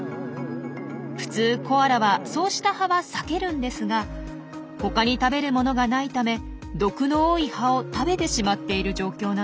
普通コアラはそうした葉は避けるんですが他に食べるものがないため毒の多い葉を食べてしまっている状況なんです。